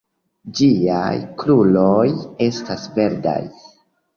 Ĝiaj kruroj estas verdaj.